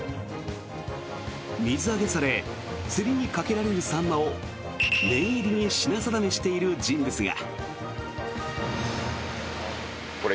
水揚げされ競りにかけられるサンマを念入りに品定めしている人物が。